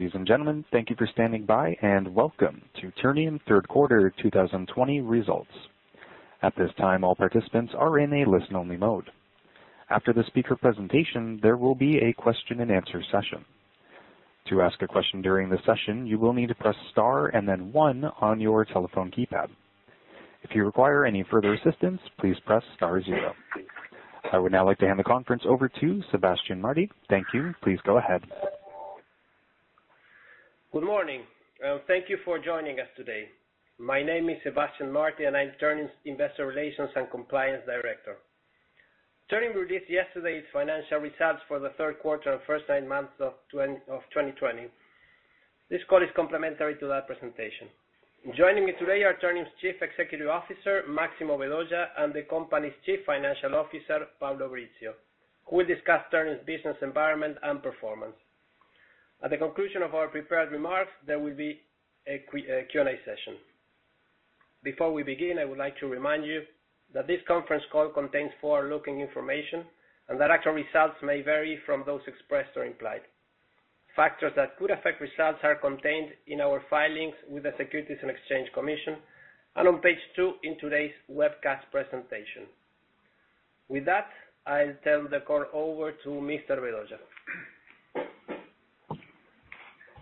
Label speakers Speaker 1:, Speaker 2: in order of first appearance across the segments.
Speaker 1: Ladies and gentlemen, thank you for standing by, and welcome to Ternium Third Quarter 2020 Results. At this time, all participants are in a listen-only mode. After the speaker's presentation, there will be a question-and-answer session. To ask a question during the session, you will need to press star and then one on your telephone keypad. If you require any further assistance, please press star zero. I would now like to hand the conference over to Sebastián Martí. Thank you. Please go ahead.
Speaker 2: Good morning, and thank you for joining us today. My name is Sebastián Martí, and I'm Ternium's Investor Relations and Compliance Director. Ternium released its financial results for the third quarter and the first nine months of 2020. This call is complementary to that presentation. Joining me today are Ternium's Chief Executive Officer, Máximo Vedoya, and the company's Chief Financial Officer, Pablo Brizzio, who will discuss Ternium's business environment and performance. At the conclusion of our prepared remarks, there will be a Q&A session. Before we begin, I would like to remind you that this conference call contains forward-looking information and that actual results may vary from those expressed or implied. Factors that could affect results are contained in our filings with the Securities and Exchange Commission and on page two in today's webcast presentation. With that, I'll turn the call over to Mr. Vedoya.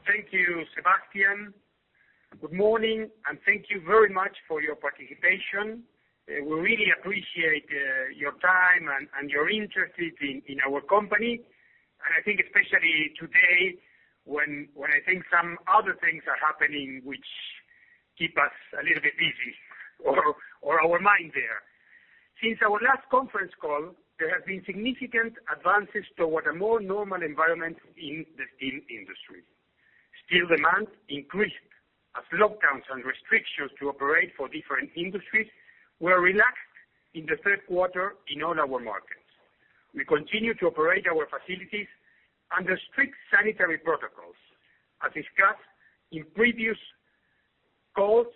Speaker 3: Thank you, Sebastián. Good morning, and thank you very much for your participation. We really appreciate your time and your interest in our company, and I think especially today, when I think some other things are happening which keep us a little bit busy or our minds there. Since our last conference call, there have been significant advances toward a more normal environment in the steel industry. Steel demand increased as lockdowns and restrictions to operate for different industries were relaxed in the third quarter in all our markets. We continue to operate our facilities under strict sanitary protocols. As discussed in previous calls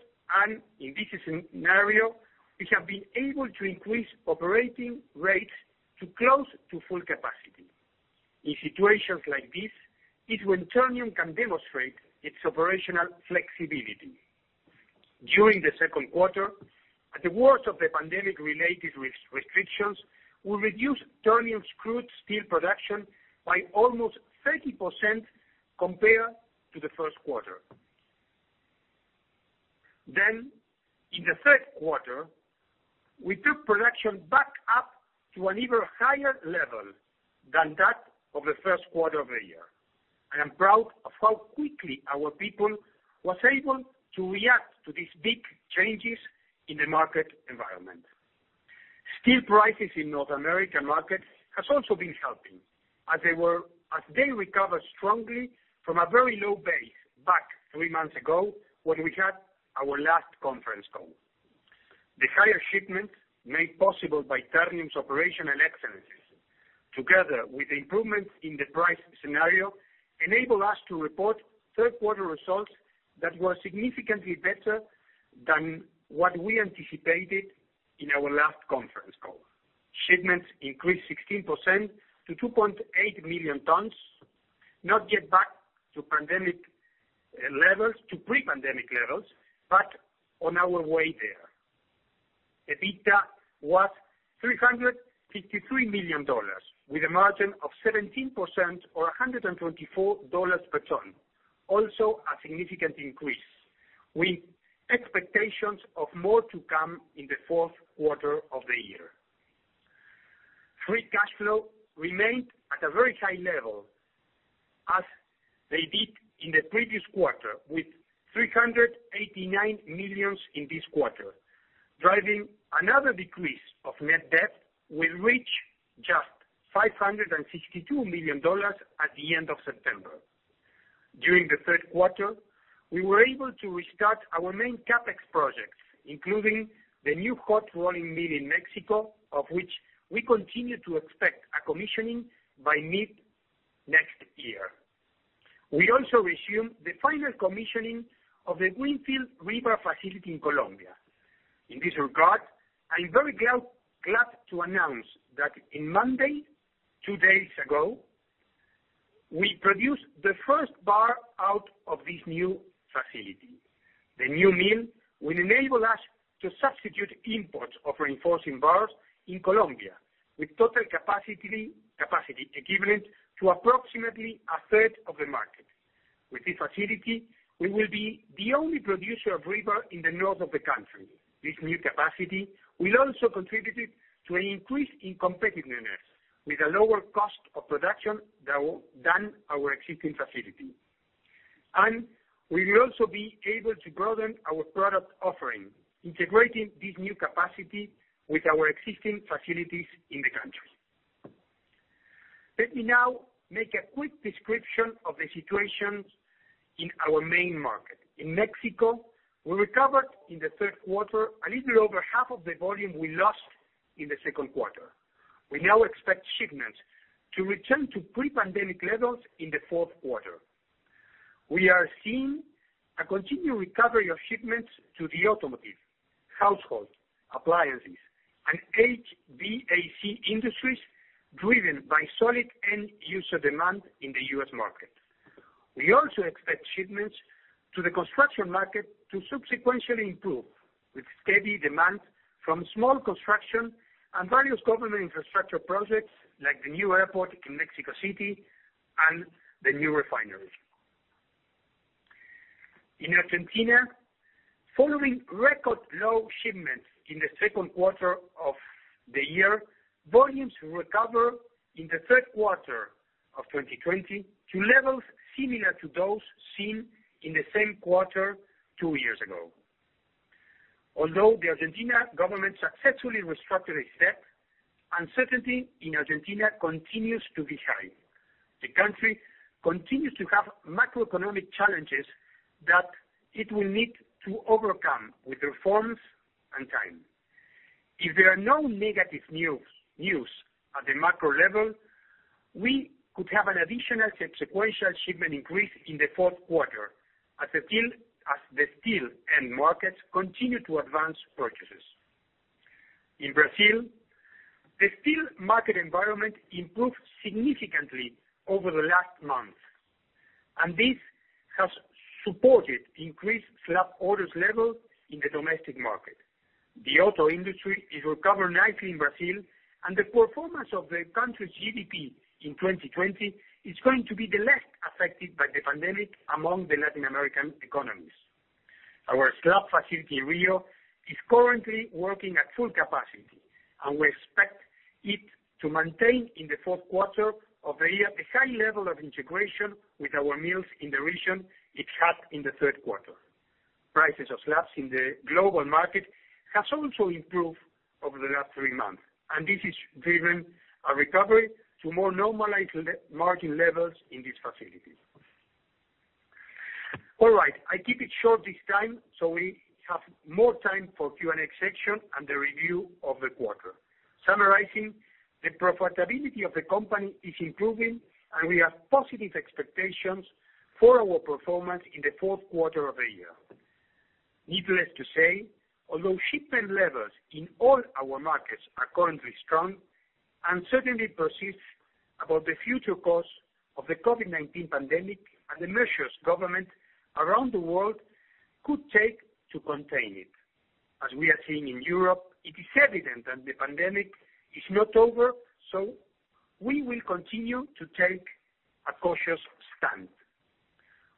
Speaker 3: and in this scenario, we have been able to increase operating rates to close to full capacity. In situations like this is when Ternium can demonstrate its operational flexibility. During the second quarter, at the worst of the pandemic-related restrictions, we reduced Ternium's crude steel production by almost 30% compared to the first quarter. In the third quarter, we took production back up to an even higher level than that of the first quarter of the year. I am proud of how quickly our people were able to react to these big changes in the market environment. Steel prices in North American markets have also been helping as they recover strongly from a very low base back three months ago when we had our last conference call. The higher shipment made possible by Ternium's operational excellence, together with improvements in the price scenario, enables us to report third-quarter results that were significantly better than what we anticipated in our last conference call. Shipments increased 16% to 2.8 million tons, not yet back to pre-pandemic levels, but on our way there. EBITDA was $353 million, with a margin of 17% or $124 per ton. Also, a significant increase, with expectations of more to come in the fourth quarter of the year. Free cash flow remained at a very high level as it did in the previous quarter, with $389 million in this quarter, driving another decrease in net debt. Net debt will reach just $562 million at the end of September. During the third quarter, we were able to restart our main CapEx projects, including the new hot rolling mill in Mexico, for which we continue to expect commissioning by mid-next year. We also resumed the final commissioning of the greenfield rebar facility in Colombia. In this regard, I'm very glad to announce that on Monday, two days ago, we produced the first bar out of this new facility. The new mill will enable us to substitute imports of reinforcing bars in Colombia with a total capacity equivalent to approximately a third of the market. With this facility, we will be the only producer of rebar in the north of the country. This new capacity will also contribute to an increase in competitiveness with a lower cost of production than our existing facility. We will also be able to broaden our product offering, integrating this new capacity with our existing facilities in the country. Let me now make a quick description of the situation in our main market. In Mexico, we recovered in the third quarter a little over half of the volume we lost in the second quarter. We now expect shipments to return to pre-pandemic levels in the fourth quarter. We are seeing a continued recovery of shipments to the automotive, household appliances, and HVAC industries, driven by solid end-user demand in the U.S. market. We also expect shipments to the construction market to subsequently improve with steady demand from small construction and various government infrastructure projects like the new airport in Mexico City and the new refineries. In Argentina, following record low shipments in the second quarter of the year, volumes recovered in the third quarter of 2020 to levels similar to those seen in the same quarter two years ago. Although the Argentina government successfully restructured its debt, uncertainty in Argentina continues to be high. The country continues to have macroeconomic challenges that it will need to overcome with reforms and time. If there is no negative news at the macro level, we could have an additional sequential shipment increase in the fourth quarter as the steel end markets continue to advance purchases. In Brazil, the steel market environment improved significantly over the last month, and this has supported increased slab order levels in the domestic market. The auto industry is recovering nicely in Brazil, and the performance of the country's GDP in 2020 is going to be the least affected by the pandemic among the Latin American economies. Our slab facility in Rio is currently working at full capacity, and we expect it to maintain in the fourth quarter of the year the high level of integration with our mills in the region it had in the third quarter. Prices of slabs in the global market have also improved over the last three months, and this is driven by a recovery to more normalized margin levels in these facilities. All right. I keep it short this time so we have more time for the Q&A section and the review of the quarter. Summarizing, the profitability of the company is improving, and we have positive expectations for our performance in the fourth quarter of the year. Needless to say, although shipment levels in all our markets are currently strong, uncertainty persists about the future course of the COVID-19 pandemic and the measures governments around the world could take to contain it. As we are seeing in Europe, it is evident that the pandemic is not over, so we will continue to take a cautious stand.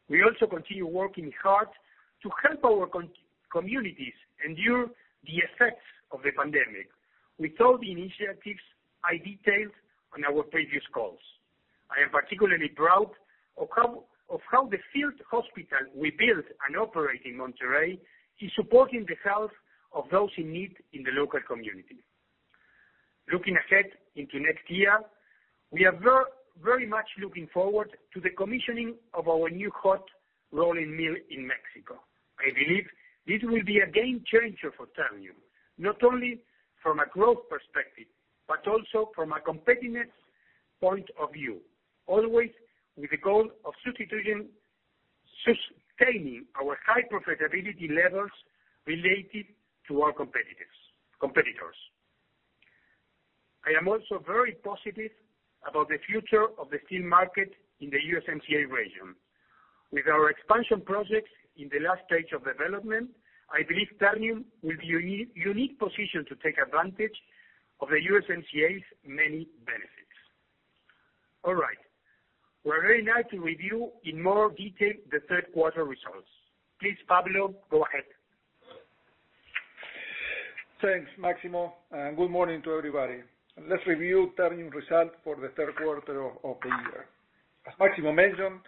Speaker 3: We also continue working hard to help our communities endure the effects of the pandemic with all the initiatives I detailed on our previous calls. I am particularly proud of how the field hospital we built and operate in Monterrey is supporting the health of those in need in the local community. Looking ahead into next year, we are very much looking forward to the commissioning of our new hot rolling mill in Mexico. I believe this will be a game changer for Ternium, not only from a growth perspective, but also from a competitiveness point of view, always with the goal of sustaining our high profitability levels relative to our competitors. I am also very positive about the future of the steel market in the USMCA region. With our expansion projects in the last stage of development, I believe Ternium will be in a unique position to take advantage of the USMCA's many benefits. All right. I would very much like to review in more detail the third quarter results. Please, Pablo, go ahead.
Speaker 4: Thanks, Máximo, and good morning to everybody. Let's review Ternium's results for the third quarter of the year. As Máximo mentioned,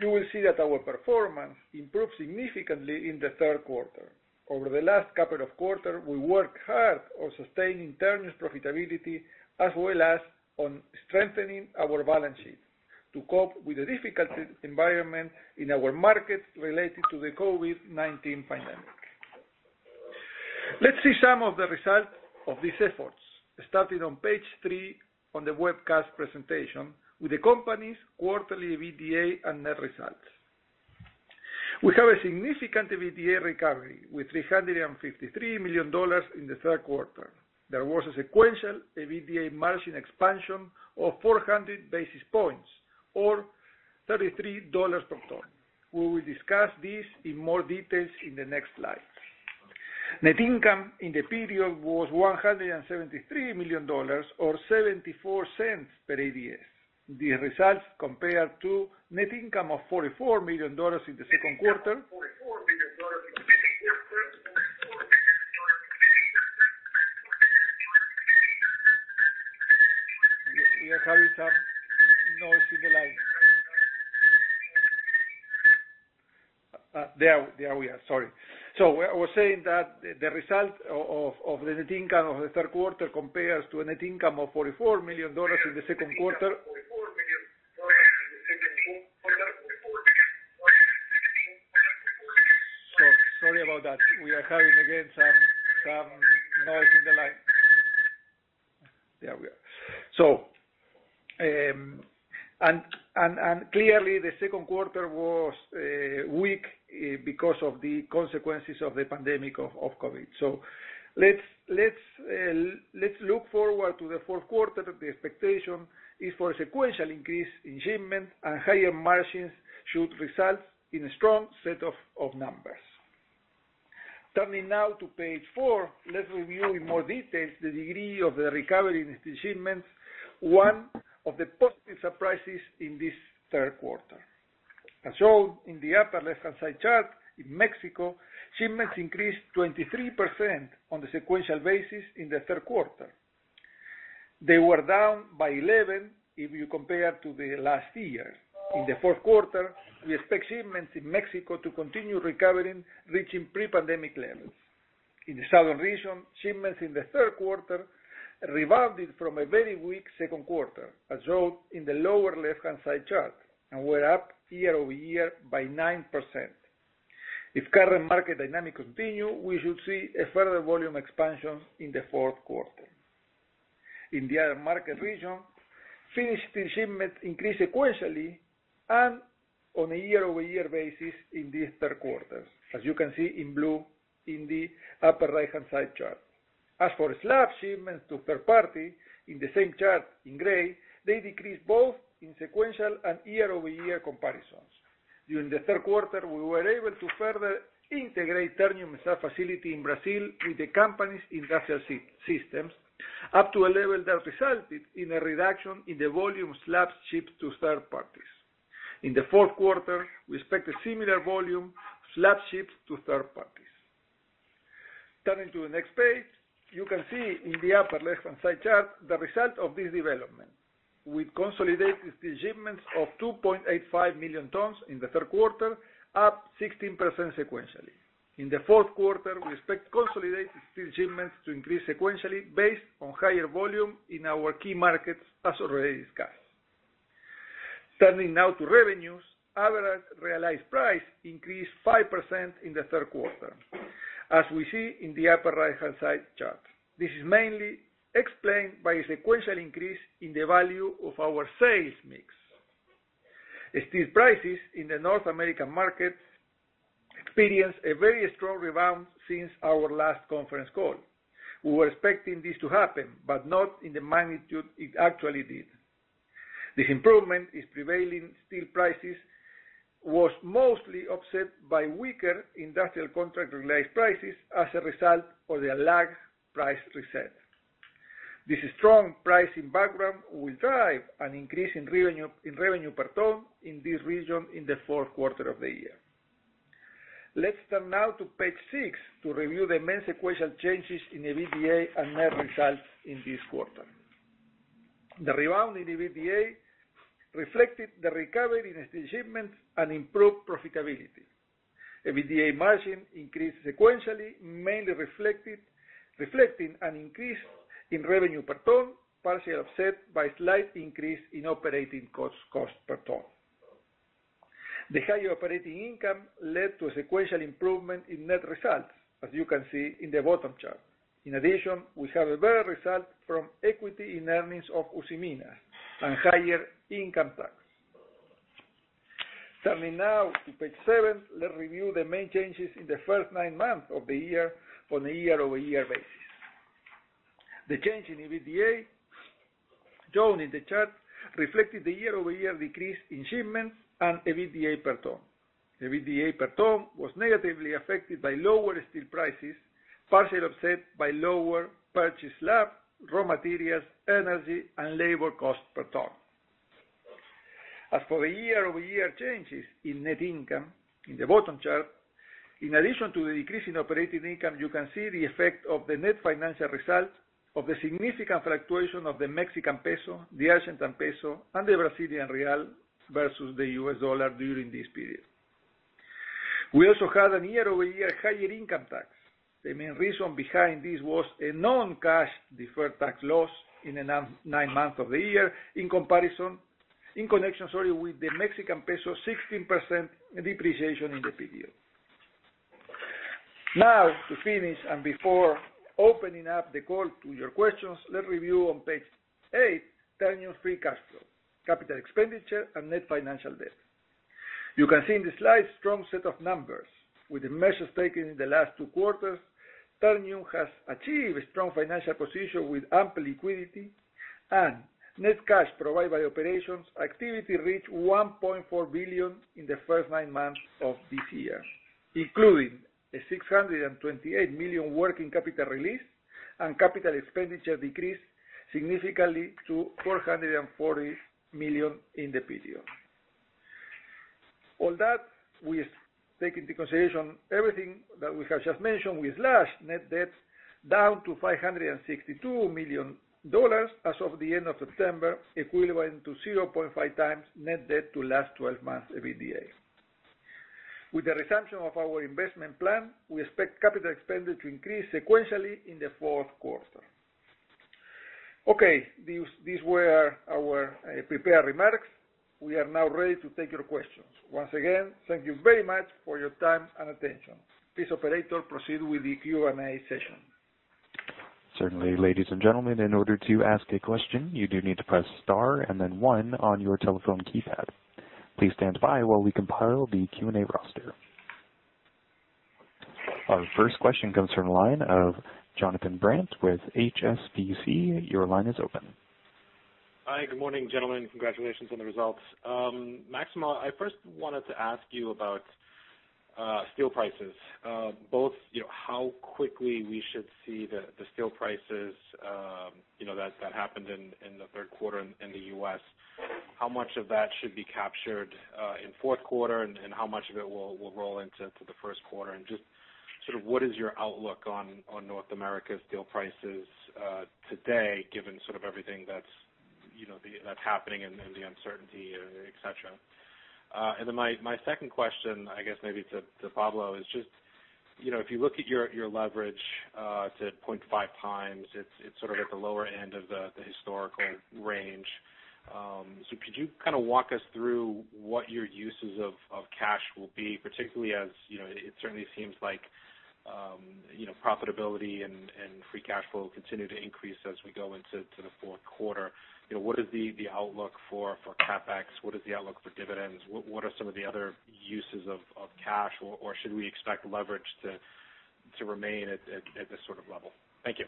Speaker 4: you will see that our performance improved significantly in the third quarter. Over the last couple of quarters, we have worked hard on sustaining Ternium's profitability as well as on strengthening our balance sheet to cope with the difficult environment in our markets related to the COVID-19 pandemic. Let's see some of the results of these efforts, starting on page three on the webcast presentation with the company's quarterly EBITDA and net results. We have a significant EBITDA recovery with $353 million in the third quarter. There was a sequential EBITDA margin expansion of 400 basis points or $33 per ton. We will discuss this in more detail in the next slide. Net income in the period was $173 million or $0.74 per ADS. The results compared to the net income of $44 million in the second quarter. We are having some noise in the line. There we are. Sorry. I was saying that the result of the net income of the third quarter compares to a net income of $44 million in the second quarter. Sorry about that. We are having, again, some noise in the line. Yeah, we are. Clearly, the second quarter was weak because of the consequences of the COVID pandemic. Let's look forward to the fourth quarter. The expectation is for a sequential increase in shipments, and higher margins should result in a strong set of numbers. Turning now to page four, let's review in more detail the degree of the recovery in the shipments, one of the positive surprises in this third quarter. As shown in the upper left-hand side chart, in Mexico, shipments increased 23% on a sequential basis in the third quarter. They were down by 11% if you compare to the last year. In the fourth quarter, we expect shipments in Mexico to continue recovering, reaching pre-pandemic levels. In the southern region, shipments in the third quarter rebounded from a very weak second quarter, as shown in the lower left-hand side chart, and were up year-over-year by 9%. If current market dynamics continue, we should see a further volume expansion in the fourth quarter. In the other market region, finished shipments increased sequentially and on a year-over-year basis in the third quarter, as you can see in blue in the upper right-hand side chart. As for slab shipments to third party, in the same chart in gray, they decreased both in sequential and year-over-year comparisons. During the third quarter, we were able to further integrate Ternium's facility in Brazil with the company's industrial systems up to a level that resulted in a reduction in the volume of slabs shipped to third parties. In the fourth quarter, we expect a similar volume of slabs shipped to third parties. Turning to the next page, you can see in the upper left-hand side chart the result of this development. We consolidated the shipments of 2.85 million tons in the third quarter, up 16% sequentially. In the fourth quarter, we expect consolidated steel shipments to increase sequentially based on higher volume in our key markets, as already discussed. Turning now to revenues, average realized price increased 5% in the third quarter, as we see in the upper right-hand side chart. This is mainly explained by a sequential increase in the value of our sales mix. Steel prices in the North American market have experienced a very strong rebound since our last conference call. We were expecting this to happen, but not in the magnitude it actually did. This improvement in prevailing steel prices was mostly offset by weaker industrial contract realized prices as a result of the lagged price reset. This strong pricing background will drive an increase in revenue per ton in this region in the fourth quarter of the year. Let's turn now to page six to review the main sequential changes in the EBITDA and net results in this quarter. The rebound in EBITDA reflected the recovery in shipments and improved profitability. EBITDA margin increased sequentially, mainly reflecting an increase in revenue per ton, partially offset by a slight increase in operating cost per ton. The higher operating income led to a sequential improvement in net results, as you can see in the bottom chart. In addition, we have a better result from equity in earnings of Usiminas and higher income tax. Turning now to page seven, let's review the main changes in the first nine months of the year on a year-over-year basis. The change in EBITDA shown in the chart reflected the year-over-year decrease in shipments and EBITDA per ton. EBITDA per ton was negatively affected by lower steel prices, partially offset by lower purchased slab, raw materials, energy, and labor costs per ton. As for the year-over-year changes in net income in the bottom chart, in addition to the decrease in operating income, you can see the effect of the net financial result of the significant fluctuation of the Mexican peso, the Argentine peso, and the Brazilian real versus the US dollar during this period. We also had a year-over-year higher income tax. The main reason behind this was a non-cash deferred tax loss in the nine months of the year in connection with the Mexican peso's 16% depreciation in the period. Now, to finish, and before opening up the call to your questions, let's review on page eight Ternium's free cash flow, capital expenditure, and net financial debt. You can see in the slide a strong set of numbers. With the measures taken in the last two quarters, Ternium has achieved a strong financial position with ample liquidity, and net cash provided by operations activities reached $1.4 billion in the first nine months of this year, including a $628 million working capital release, and capital expenditure decreased significantly to $440 million in the period. All that, we take into consideration everything that we have just mentioned, with large net debt down to $562 million as of the end of September, equivalent to 0.5x net debt to last 12 months EBITDA. With the resumption of our investment plan, we expect capital expenditure to increase sequentially in the fourth quarter. Okay. These were our prepared remarks. We are now ready to take your questions. Once again, thank you very much for your time and attention. Please, operator, proceed with the Q&A session.
Speaker 1: Certainly. Ladies and gentlemen, in order to ask a question, you do need to press star and then one on your telephone keypad. Please stand by while we compile the Q&A roster. Our first question comes from the line of Jonathan Brandt with HSBC. Your line is open.
Speaker 5: Hi. Good morning, gentlemen. Congratulations on the results. Máximo, I first wanted to ask you about steel prices. Both how quickly we should see the steel prices that happened in the third quarter in the U.S., how much of that should be captured in the fourth quarter, and how much of it will roll into the first quarter? Just sort of what is your outlook on North America's steel prices today, given sort of everything that's happening and the uncertainty, et cetera? My second question, I guess maybe to Pablo, is just if you look at your leverage to 0.5x, it's sort of at the lower end of the historical range. Could you kind of walk us through what your uses of cash will be, particularly as it certainly seems like profitability and free cash flow continue to increase as we go into the fourth quarter? What is the outlook for CapEx? What is the outlook for dividends? What are some of the other uses of cash, or should we expect leverage to remain at this sort of level? Thank you.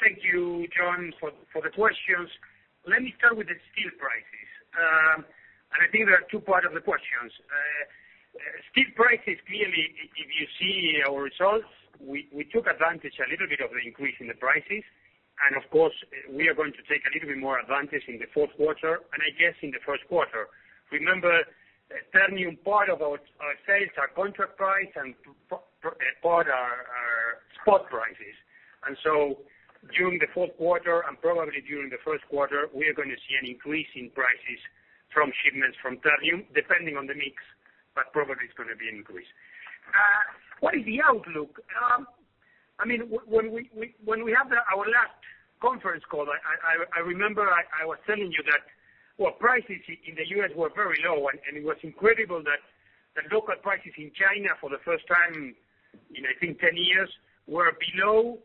Speaker 3: Thank you, Jon, for the questions. Let me start with the steel prices. I think there are two parts to the questions. Steel prices, clearly, if you see our results, we took advantage of the increase in prices a little bit. Of course, we are going to take a little bit more advantage in the fourth quarter, and I guess in the first quarter. Remember, Ternium, part of our sales are contract prices and part are spot prices. During the fourth quarter and probably during the first quarter, we are going to see an increase in prices from shipments from Ternium, depending on the mix, but it's probably going to be an increase. What is the outlook? When we had our last conference call, I remember I was telling you that prices in the U.S. were very low, and it was incredible that the local prices in China, for the first time in I think 10 years, were above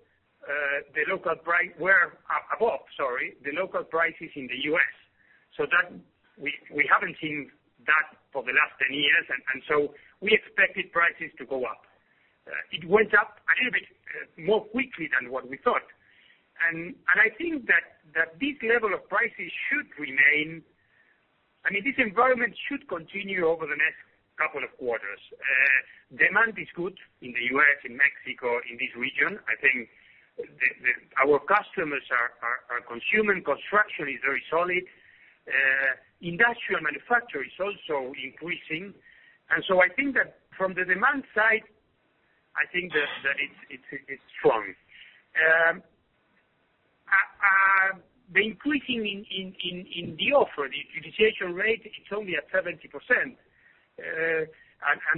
Speaker 3: the local prices in the U.S. We haven't seen that for the last 10 years, and so we expected prices to go up. It went up a little bit more quickly than we thought. I think that this level of prices should remain. This environment should continue over the next couple of quarters. Demand is good in the U.S., in Mexico, and in this region. I think our customers are consuming. Construction is very solid. Industrial manufacturing is also increasing. I think that from the demand side, I think that it's strong. The increasing in the offer, the utilization rate is only at 70%, and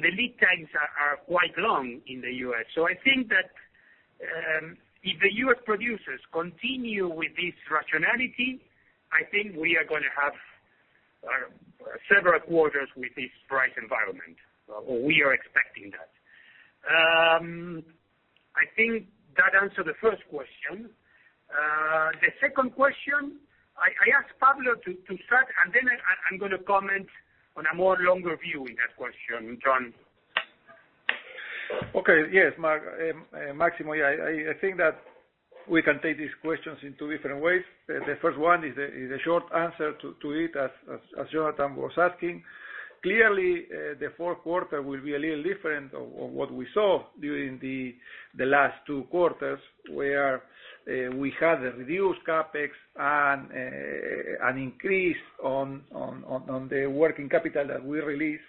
Speaker 3: the lead times are quite long in the U.S. I think that if the U.S. producers continue with this rationality, I think we are going to have several quarters with this price environment, or we are expecting that. I think that answered the first question. The second question, I ask Pablo to start, and then I'm going to comment on a longer view in that question, Jon.
Speaker 4: Okay. Yes, Máximo. I think that we can take these questions in two different ways. The first one is the short answer to it, as Jonathan was asking. Clearly, the fourth quarter will be a little different from what we saw during the last two quarters, where we had a reduced CapEx and an increase in the working capital that we released,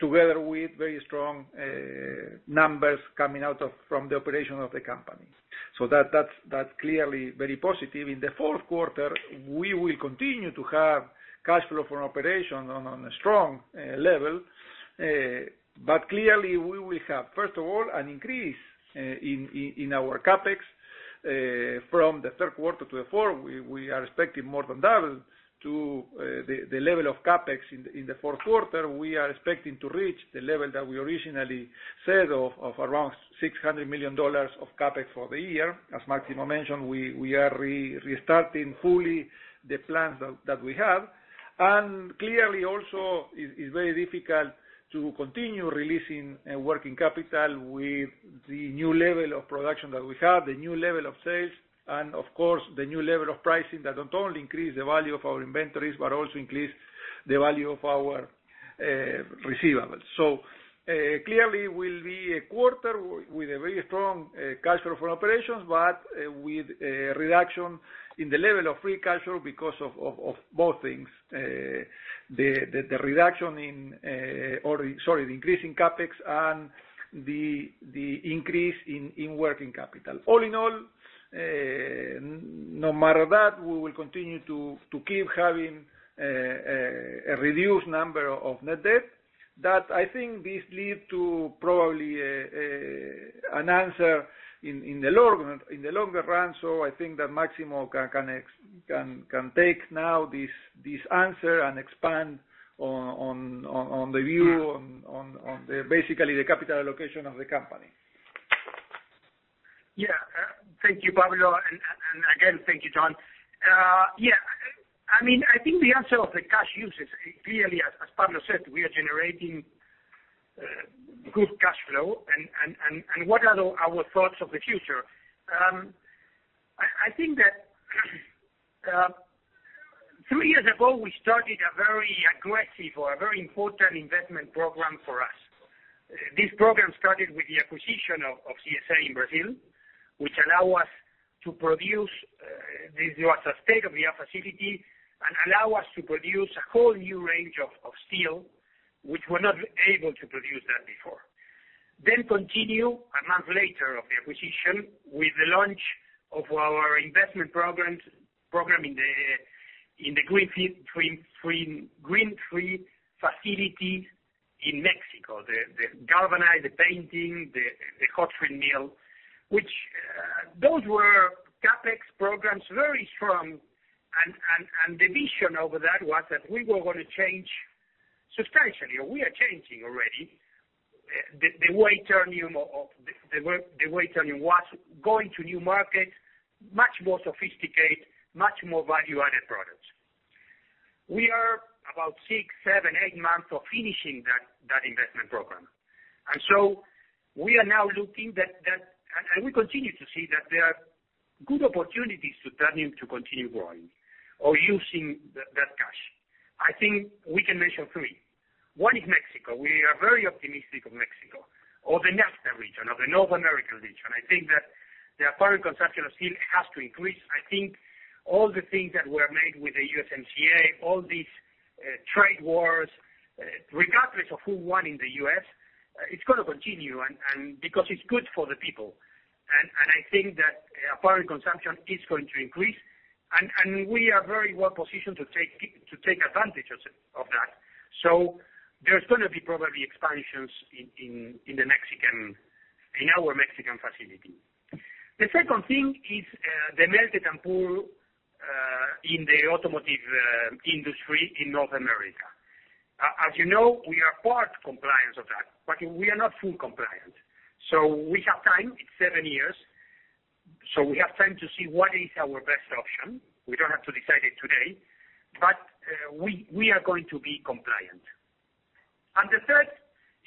Speaker 4: together with very strong numbers coming out from the operation of the company. That's clearly very positive. In the fourth quarter, we will continue to have cash flow from operations at a strong level. Clearly, we will have, first of all, an increase in our CapEx from the third quarter to the fourth. We are expecting more than 2x to the level of CapEx in the fourth quarter. We are expecting to reach the level that we originally said, around $600 million of CapEx for the year. As Máximo mentioned, we are restarting fully the plans that we have. Clearly, it's very difficult to continue releasing working capital with the new level of production that we have, the new level of sales, and of course, the new level of pricing that not only increases the value of our inventories, but also increases the value of our receivables. Clearly will be a quarter with a very strong cash flow from operations, but with a reduction in the level of free cash flow because of both things. The increase in CapEx and the increase in working capital. All in all, no matter that, we will continue to keep having a reduced amount of net debt. I think this leads to probably an answer in the long run. I think that Máximo can take this answer now and expand on the view on basically the capital allocation of the company.
Speaker 3: Yeah. Thank you, Pablo, and again, thank you, Jon. Yeah, I think the answer to the cash uses, clearly, as Pablo said, we are generating good cash flow, and what are our thoughts on the future? I think that three years ago, we started a very aggressive or very important investment program for us. This program started with the acquisition of CSA in Brazil, which was a state-of-the-art facility and allowed us to produce a whole new range of steel, which we were not able to produce before. Continue a month later of the acquisition with the launch of our investment program in the greenfield facility in Mexico, the galvanize, the painting, the hot rolling mill, which those were CapEx programs, very strong, and the vision over that was that we were going to change substantially, or we are changing already, the way Ternium was going to new market, much more sophisticated, much more value-added products. We are about six, seven, or eight months of finishing that investment program. We continue to see that there are good opportunities for Ternium to continue growing or using that cash. I think we can mention three. One is Mexico. We are very optimistic about Mexico, the NAFTA region, or the North American region. I think that the apparent consumption of steel has to increase. I think all the things that were made with the USMCA, all these trade wars, regardless of who won in the US, are going to continue, because it's good for the people. I think that apparent consumption is going to increase; we are very well-positioned to take advantage of that. There's going to be probably expansions in our Mexican facility. The second thing is the melt and pour in the automotive industry in North America. As you know, we are partially compliant with that; we are not fully compliant. We have time. It's seven years. We have time to see what our best option is. We don't have to decide it today;, we are going to be compliant. The third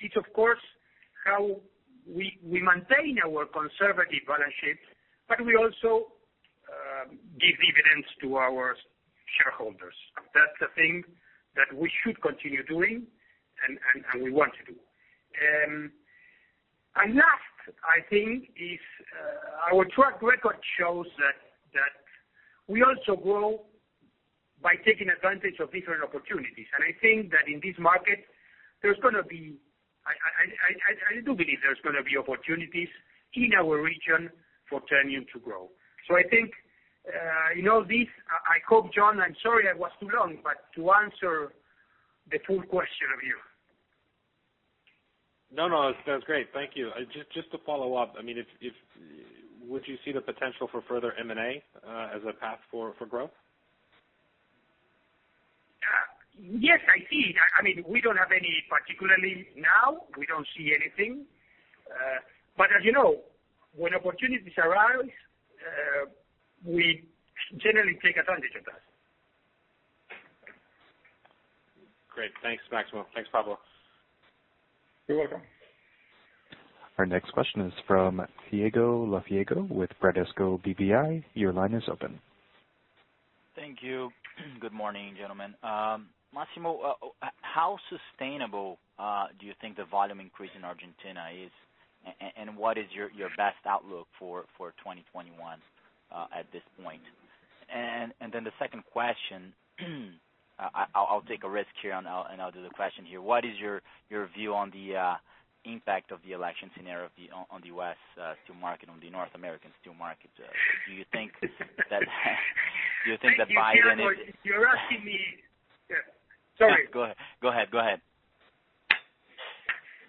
Speaker 3: is, of course, how we maintain our conservative balance sheet; we also give dividends to our shareholders. That's the thing that we should continue doing, and we want to do. Last, I think our track record shows that we also grow by taking advantage of different opportunities. I think that in this market, I do believe there's going to be opportunities in our region for Ternium to grow. I think in all this, I hope, Jon, I'm sorry I was too long, but to answer your full question.
Speaker 5: No, that was great. Thank you. Just to follow up, would you see the potential for further M&A as a path for growth?
Speaker 3: Yes, I see. We don't have any now. We don't see anything. As you know, when opportunities arise, we generally take advantage of them.
Speaker 5: Great. Thanks, Máximo. Thanks, Pablo.
Speaker 3: You're welcome.
Speaker 1: Our next question is from Thiago Lofiego with Bradesco BBI. Your line is open.
Speaker 6: Thank you. Good morning, gentlemen. Máximo, how sustainable do you think the volume increase in Argentina is, and what is your best outlook for 2021 at this point? The second question, I'll take a risk here, and I'll do the question here. What is your view on the impact of the election scenario on the U.S. steel market and the North American steel market? Do you think that Biden is-
Speaker 3: Are you asking me? Sorry.
Speaker 6: Go ahead.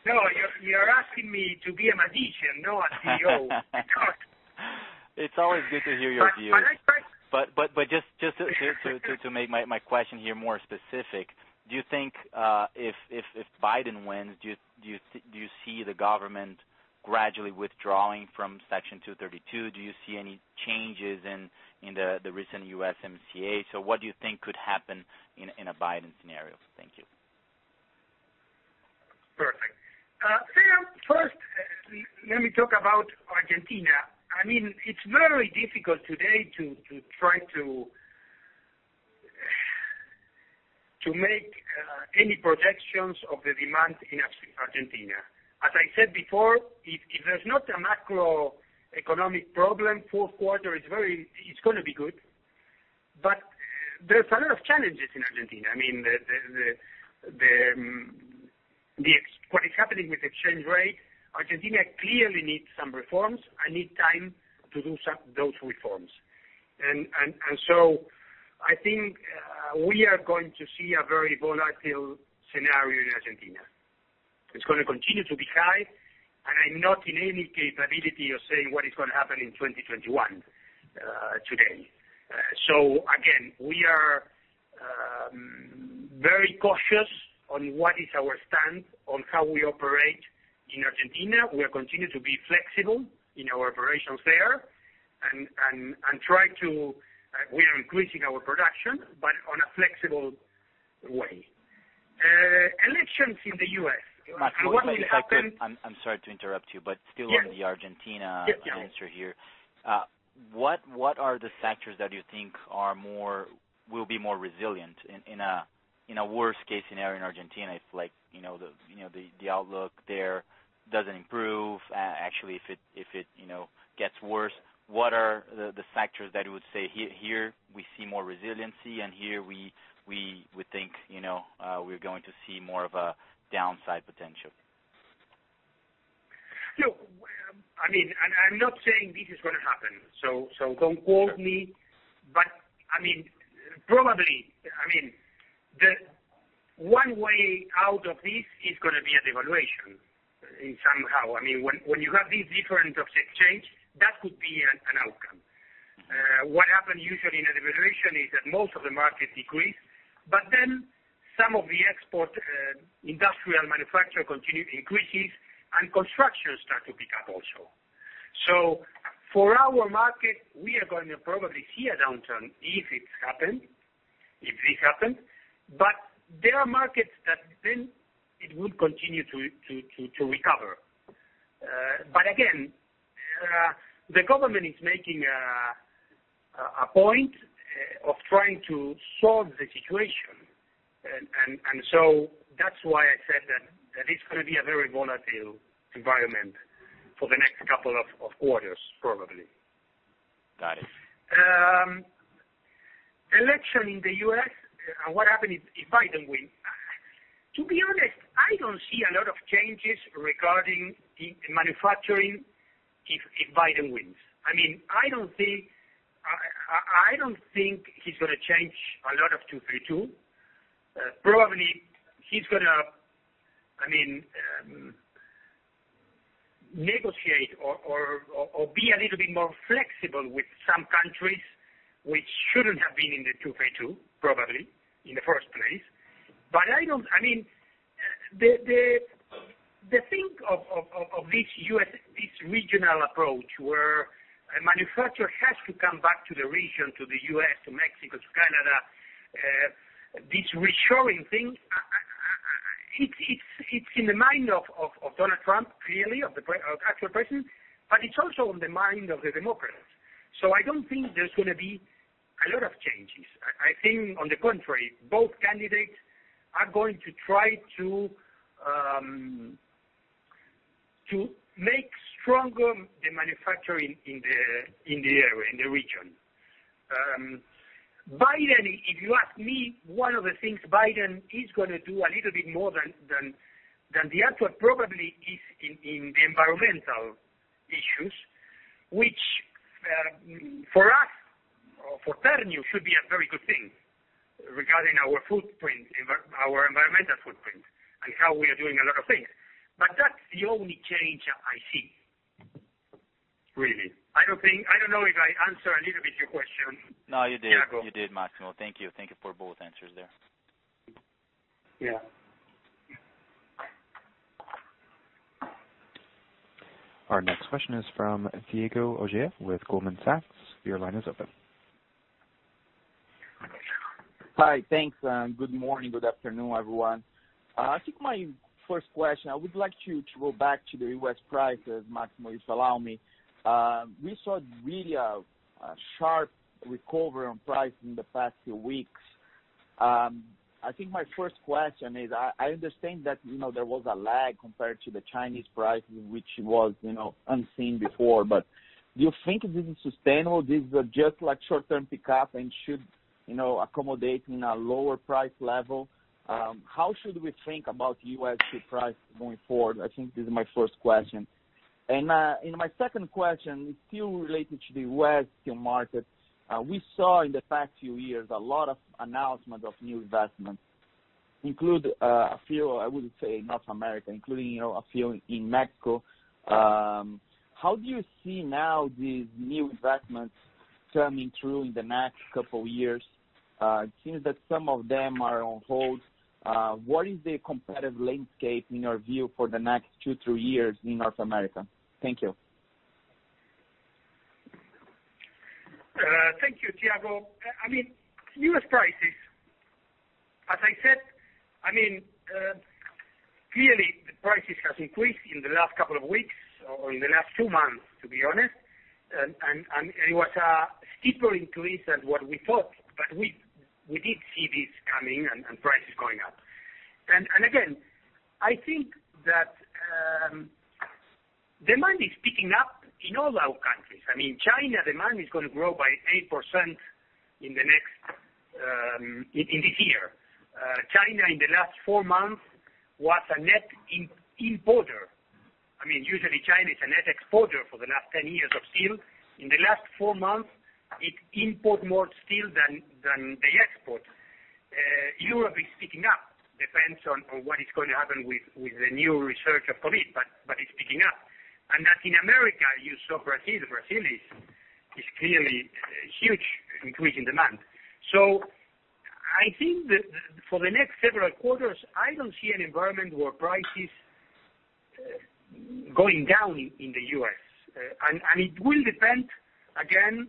Speaker 3: No, you're asking me to be a magician, not a CEO.
Speaker 6: It's always good to hear your view.
Speaker 3: I try.
Speaker 6: Just to make my question here more specific, do you think that if Biden wins, you see the government will gradually withdraw from Section 232? Do you see any changes in the recent USMCA? What do you think could happen in a Biden scenario? Thank you.
Speaker 3: Perfect. Thiago, first, let me talk about Argentina. It's very difficult today to try to make any projections of the demand in Argentina. As I said before, if there's not a macroeconomic problem in the fourth quarter, it's going to be good. There's a lot of challenges in Argentina. What is happening with the exchange rate, Argentina clearly needs some reforms and needs time to do those reforms. I think we are going to see a very volatile scenario in Argentina. It's going to continue to be high, and I'm not in any capability of saying what is going to happen in 2021 today. Again, we are very cautious about what our stance is on how we operate in Argentina. We continue to be flexible in our operations there, and we are increasing our production, but in a flexible way. Elections in the U.S., and what will happen.
Speaker 6: Máximo, if I could, I'm sorry to interrupt you, but still on the Argentina answer here.
Speaker 3: Yes.
Speaker 6: What are the sectors that you think will be more resilient in a worst-case scenario in Argentina if the outlook there doesn't improve? Actually, if it gets worse, what are the sectors that you would say? Here we see more resiliency. Here, we think we're going to see more downside potential?
Speaker 3: Look, I'm not saying this is going to happen, so don't quote me. Probably, one way out of this is going to be a devaluation somehow. When you have this difference of exchange, that could be an outcome. What usually happens in a devaluation is that most of the market decreases, but then some of the export industrial manufacturing increases, and construction starts to pick up also. For our market, we are probably going to see a downturn if this happens. There are markets where it would continue to recover. Again, the government is making a point of trying to solve the situation. That's why I said that it's going to be a very volatile environment for the next couple of quarters, probably.
Speaker 6: Got it.
Speaker 3: Election in the U.S., what happens if Biden wins? To be honest, I don't see a lot of changes regarding manufacturing if Biden wins. I don't think he's going to change a lot of 232. Probably, he's going to negotiate or be a little bit more flexible with some countries that shouldn't have been in the 232, probably, in the first place. The thing about this regional approach, where a manufacturer has to come back to the region, to the U.S., to Mexico, to Canada, this reshoring thing, it's in the mind of Donald Trump, clearly, of the actual president, but it's also on the mind of the Democrats. I don't think there's going to be a lot of changes. I think, on the contrary, both candidates are going to try to make stronger the manufacturing in the area, in the region. Biden, if you ask me, one of the things Biden is going to do a little bit more than the actual probably is in the environmental issues, which for us, for Ternium, should be a very good thing regarding our environmental footprint and how we are doing a lot of things. That's the only change I see, really. I don't know if I answered your question a little bit.
Speaker 6: No, you did, Máximo. Thank you. Thank you for both answers there.
Speaker 3: Yeah.
Speaker 1: Our next question is from Thiago Ojea with Goldman Sachs. Your line is open.
Speaker 7: Hi, thanks, good morning, good afternoon, everyone. I think my first question, I would like to go back to the U.S. prices, Máximo, if you allow me. We saw a sharp recovery on price in the past few weeks. I think my first question is: I understand that there was a lag compared to the Chinese price, which was unseen before, but do you think this is sustainable? This is just like a short-term pickup and should accommodate in a lower price level? How should we think about U.S. steel prices going forward? I thinkthis is my first question. My second question is still related to the U.S. steel market. We saw in the past few years a lot of announcements of new investments, including a few, I would say, in North America, including a few in Mexico. How do you see these new investments coming through in the next couple of years? It seems that some of them are on hold. What is the competitive landscape, in your view, for the next two to three years in North America? Thank you.
Speaker 3: Thank you, Thiago. U.S. prices, as I said, clearly the prices have increased in the last couple of weeks or in the last two months, to be honest. It was a steeper increase than what we thought, but we did see this coming and prices going up. Again, I think that demand is picking up in all our countries. China's demand is going to grow by 8% this year. China in the last four months was a net importer. Usually, China has been a net exporter for the last 10 years of steel. In the last four months, it has imported more steel than they export. Europe is picking up. It depends on what is going to happen with on new resurgence of COVID, but it's picking up. Latin America, you saw Brazil. Brazil is clearly huge increase in demand. I think that for the next several quarters, I don't see an environment where prices are going down in the U.S. It will depend, again, on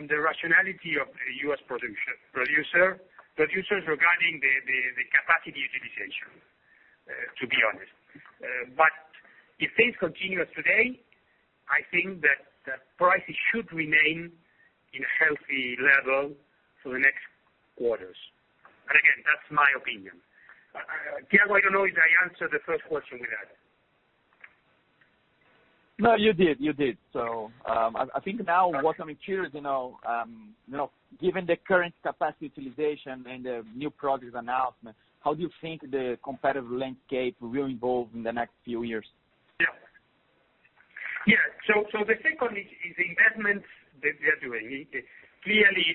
Speaker 3: the rationality of the U.S. producers regarding the capacity utilization, to be honest. If things continue as today, I think that prices should remain at a healthy level for the next quarters. Again, that's my opinion. Thiago, I don't know if I answered the first question or not.
Speaker 7: No, you did. I think now what I'm curious about, given the current capacity utilization and the new product announcements, is how you think the competitive landscape will evolve in the next few years?
Speaker 3: Yeah. The second is the investments that they are making. Clearly,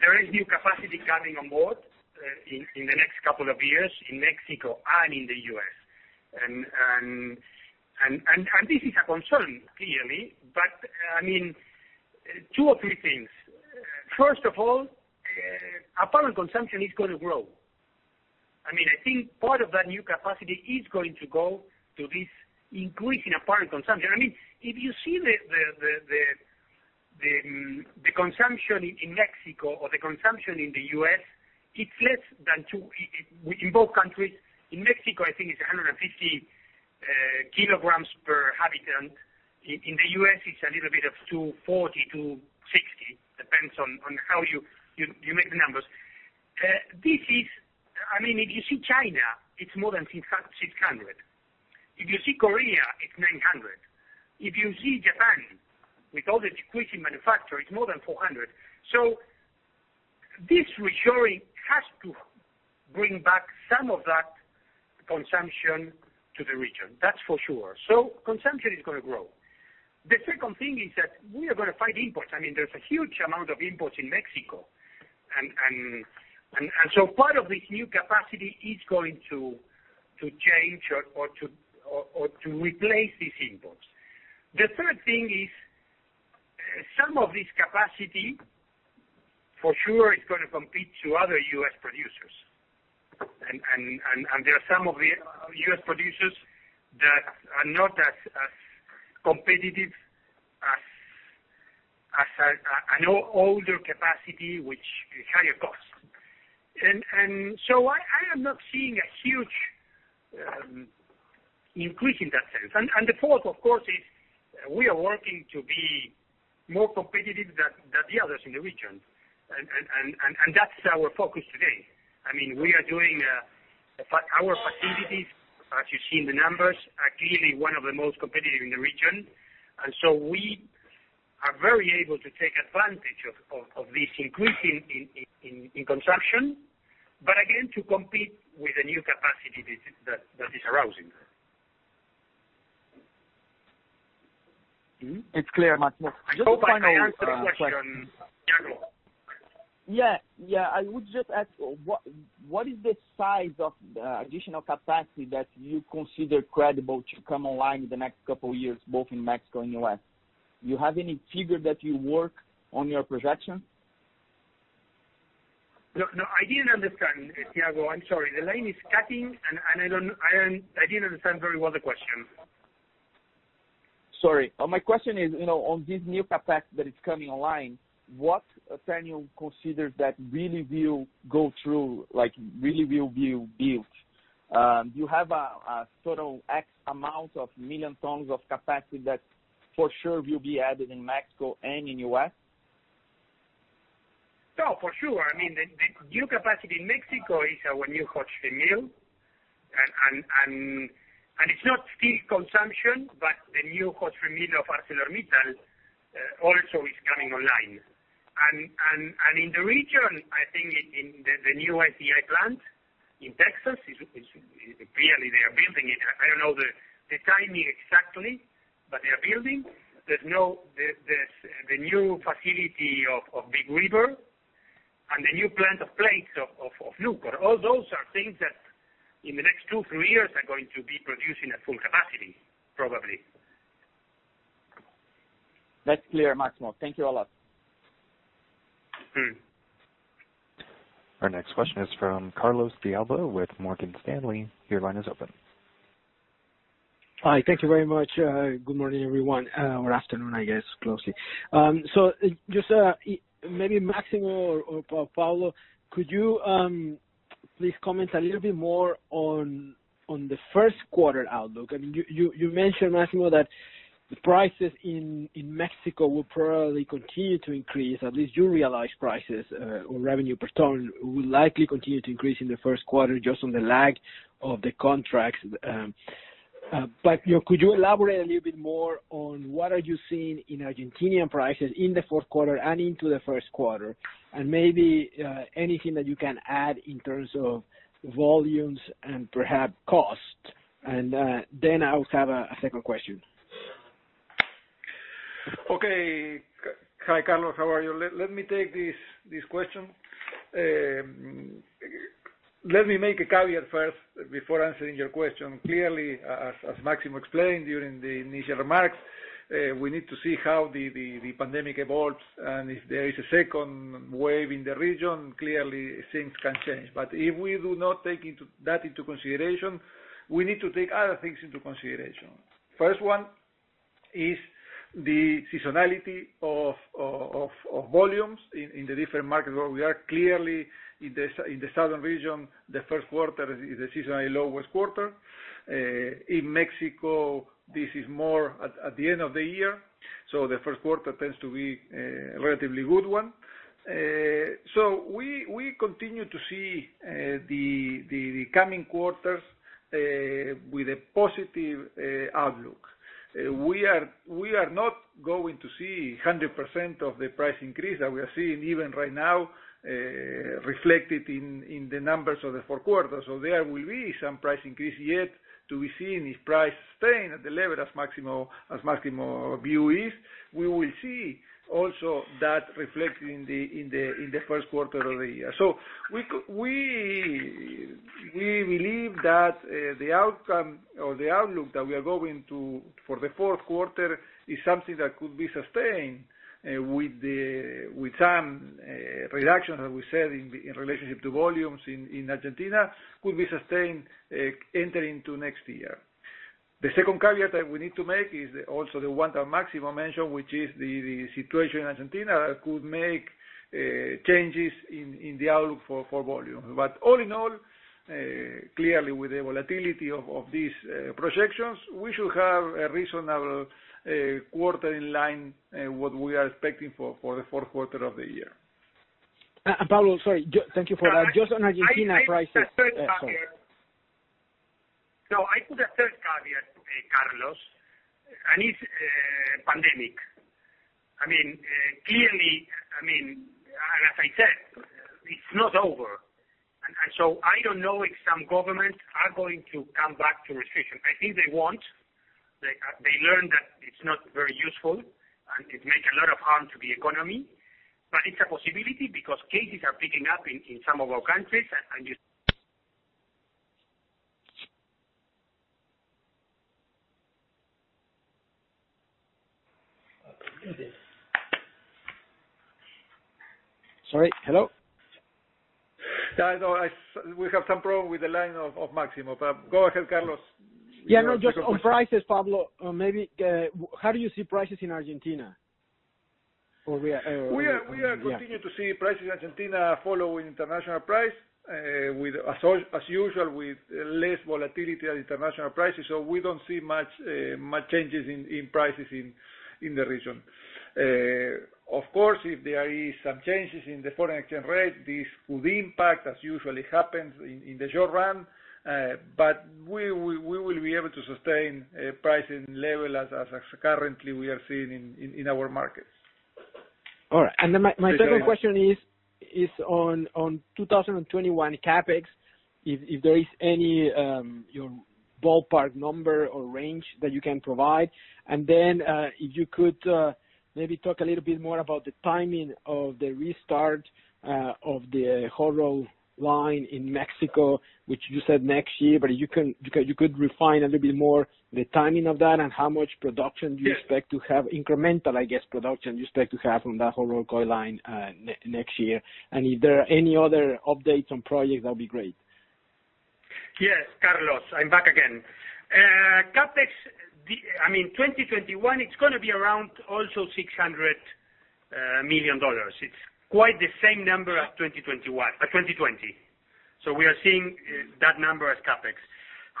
Speaker 3: there is new capacity coming on board in the next couple of years in Mexico and in the U.S. This is a concern, clearly, but two or three things. First of all, apparent consumption is going to grow. I think part of that new capacity is going to go to this increase in apparent consumption. If you see the consumption in Mexico or the consumption in the U.S., in both countries, in Mexico, I think it's 150 kg per inhabitant. In the U.S., it's a little bit of 240, 260, depending on how you make the numbers. If you see China, it's more than 600. If you see Korea, it's 900. If you see Japan, with all the squeeze in manufacturing, it's more than 400. This reshoring has to bring back some of that consumption to the region. That's for sure. Consumption is going to grow. The second thing is that we are going to fight imports. There's a huge amount of imports in Mexico, and part of this new capacity is going to change or to replace these imports. The third thing is, some of this capacity for sure is going to compete to other U.S. producers. There are some of the U.S. producers that are not as competitive as older capacity, which is at a higher cost. I am not seeing a huge increase in that sense. The fourth, of course, is that we are working to be more competitive than the others in the region. That's our focus today. Our facilities, as you can see in the numbers, are clearly one of the most competitive in the region. We are very able to take advantage of this increase in consumption, but again, to compete with the new capacity that is arising.
Speaker 7: It's clear, Máximo. Just one final question.
Speaker 3: I hope I answered the question, Thiago.
Speaker 7: Yeah. I would just ask, what is the size of the additional capacity that you consider credible to come online in the next couple of years, both in Mexico and the U.S.? Do you have any figures that you work on for your projection?
Speaker 3: No, I didn't understand, Thiago. I'm sorry. The line is cutting, and I didn't understand the question very well.
Speaker 7: Sorry. My question is, on this new capacity that is coming online, what Ternium considers that really will go through, like really will be built? Do you have a sort of X amount of million tons of capacity that for sure will be added in Mexico and in U.S.?
Speaker 3: No, for sure. The new capacity in Mexico is our new hot strip mill. It's not steel consumption, but the new hot strip mill of ArcelorMittal is also coming online. In the region, I think the new SDI plant in Texas is clearly they are building it. I don't know the timing exactly, but they are building. There's the new facility of Big River and the new plant for plates of Nucor. All those are things that in the next two to three years are going to be producing at full capacity, probably.
Speaker 7: That's clear, Máximo. Thank you a lot.
Speaker 1: Our next question is from Carlos De Alba with Morgan Stanley. Your line is open.
Speaker 8: Hi. Thank you very much. Good morning, everyone, or afternoon, I guess, closely. Máximo or Pablo, could you please comment a little bit more on the first quarter outlook? You mentioned, Máximo, that the prices in Mexico will probably continue to increase. At least you realize prices or revenue per ton will likely continue to increase in the first quarter, just due to the lag of the contracts. Could you elaborate a little bit more on what you are seeing in Argentine prices in the fourth quarter and into the first quarter? Maybe anything that you can add in terms of volumes and perhaps cost. I also have a second question.
Speaker 4: Okay. Hi, Carlos, how are you? Let me take this question. Let me make a caveat first before answering your question. As Máximo explained during the initial remarks, we need to see how the pandemic evolves, and if there is a second wave in the region, clearly things can change. If we do not take that into consideration, we need to take other things into consideration. The first one is the seasonality of volumes in the different markets where we are. In the southern region, the first quarter is the seasonally lowest quarter. In Mexico, this is more at the end of the year; the first quarter tends to be a relatively good one. We continue to see the coming quarters with a positive outlook. We are not going to see 100% of the price increase that we are seeing even right now reflected in the numbers of the fourth quarter. There will be some price increase, yet to be seen if prices stay at the level Máximo views. We will also see that reflected in the first quarter of the year. We believe that the outcome or the outlook that we are going to have for the fourth quarter is something that could be sustained with some reduction, as we said, in relation to volumes in Argentina, could be sustained entering into next year. The second caveat that we need to make is also the one that Máximo mentioned, which is that the situation in Argentina could make changes in the outlook for volume. All in all, clearly, with the volatility of these projections, we should have a reasonable quarter in line with what we are expecting for the fourth quarter of the year.
Speaker 8: Pablo, sorry. Thank you for that. Just on Argentina prices. Sorry.
Speaker 3: No, I put a third caveat, Carlos. It's a pandemic. Clearly, as I said, it's not over. I don't know if some governments are going to come back to restrictions. I think they won't. They learned that it's not very useful. It does a lot of harm to the economy. It's a possibility because cases are picking up in some of our countries.
Speaker 8: Sorry. Hello?
Speaker 4: No, we have some problem with the line of Máximo, but go ahead, Carlos.
Speaker 8: Yeah. No, just on prices, Pablo, how do you see prices in Argentina?
Speaker 4: We are continuing to see prices in Argentina following international prices, as usual, with less volatility at international prices. We don't see many changes in prices in the region. Of course, if there is some changes in the foreign exchange rate, this could impact, as usually happens in the short run. We will be able to sustain the pricing level as we are currently seeing in our markets.
Speaker 8: All right. My second question is on 2021 CapEx: if there is any ballpark number or range that you can provide. If you could maybe talk a little bit more about the timing of the restart of the hot roll line in Mexico, which you said next year, but you could refine a little bit more the timing of that and how much production do you expect to have, incremental, I guess, production you expect to have on that hot roll coil line next year. If there are any other updates on projects, that'd be great.
Speaker 3: Yes, Carlos, I'm back again. CapEx, 2021, is going to be around $600 million. It's quite the same number as 2020. We are seeing that number as CapEx.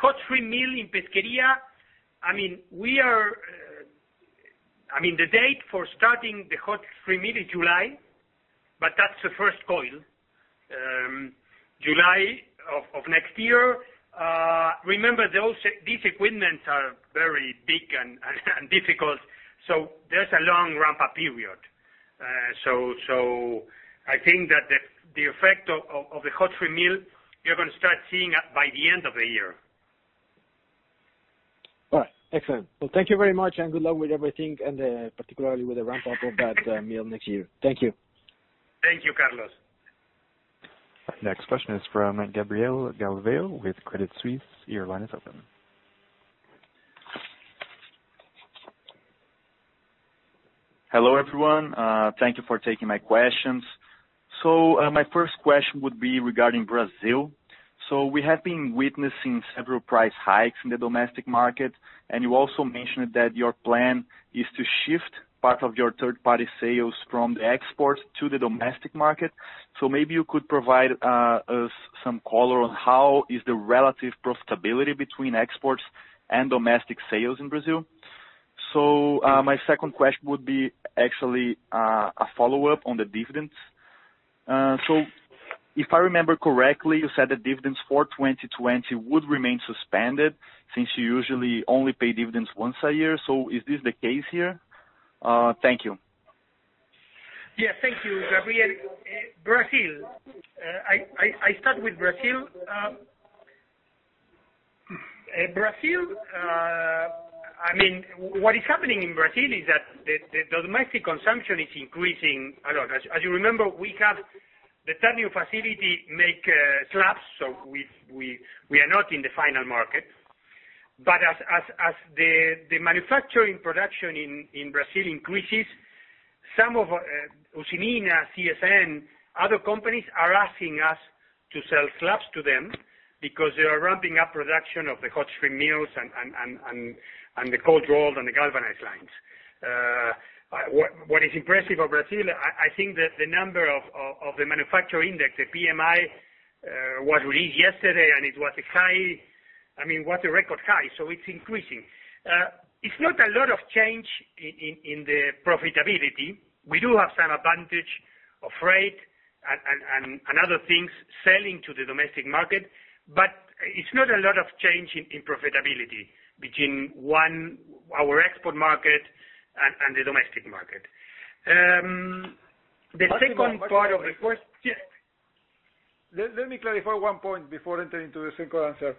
Speaker 3: Hot strip mill in Pesquería, the date for starting the hot strip mill is July, which is the first coil. July of next year. Remember, these equipments are very big and difficult, there's a long ramp-up period. I think that the effect of the hot strip mill, you're going to start seeing by the end of the year.
Speaker 8: All right. Excellent. Well, thank you very much, and good luck with everything, and particularly with the ramp-up of that mill next year. Thank you.
Speaker 3: Thank you, Carlos.
Speaker 1: The next question is from Gabriel Galvão with Credit Suisse. Your line is open.
Speaker 9: Hello, everyone. Thank you for taking my questions. My first question would be regarding Brazil. We have been witnessing several price hikes in the domestic market, and you also mentioned that your plan is to shift part of your third-party sales from the export to the domestic market. Maybe you could provide us with some color on how is the relative profitability between exports and domestic sales in Brazil? My second question would be actually a follow-up on the dividends. If I remember correctly, you said that dividends for 2020 would remain suspended since you usually only pay dividends once a year. Is this the case here? Thank you.
Speaker 3: Thank you, Gabriel. Brazil. I start with Brazil. What is happening in Brazil is that domestic consumption is increasing a lot. As you remember, we have the Ternium facility make slabs, so we are not in the final market. As the manufacturing production in Brazil increases, some of Usiminas, CSN, and other companies are asking us to sell slabs to them because they are ramping up production of the hot strip mills, the cold roll, and the galvanized lines. What is impressive about Brazil, I think that the number of the manufacturing index, the PMI, was released yesterday, and it was a record high. It's increasing. It's not a lot of change in the profitability. We do have some advantage in terms of rate and other things selling to the domestic market; there's not a lot of change in profitability between our export market and the domestic market. The second part of the question.
Speaker 4: Let me clarify one point before entering the second answer.